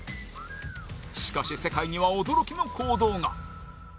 しかし、世界には驚きの公道が。